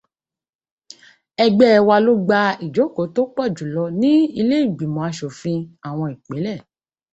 Ẹgbẹ́ wa ló gba ìjókòó tó pọ̀ jùlọ ní ilé ìgbìmọ̀ aṣòfin àwọn ìpínlẹ̀